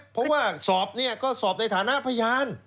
เพราะว่าสอบเนี่ยก็สอบในฐานะพยาน